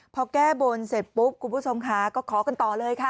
พอแก้บนเสร็จปุ๊บคุณผู้ชมค่ะก็ขอกันต่อเลยค่ะ